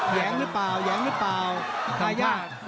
แย้งหรือเปล่าแย้งหรือเปล่า